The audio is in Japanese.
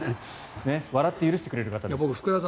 笑って許してくれる方です。